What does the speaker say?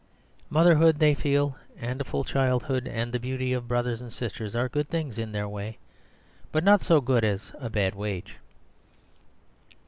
Motherhood, they feel, and a full childhood, and the beauty of brothers and sisters, are good things in their way, but not so good as a bad wage.